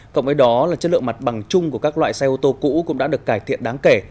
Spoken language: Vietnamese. cộng với đó là chất lượng mặt bằng chung của các loại xe ô tô cũ cũng đã được cải thiện đáng kể